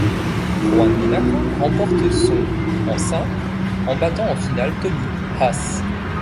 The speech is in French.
Juan Mónaco remporte son en simple en battant en finale Tommy Haas.